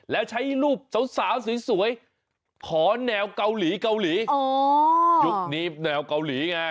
แล้วใช้รูปสาวสวยขอแนวเกาหลีเกาหลียุคนี้แนวเกาหลีไง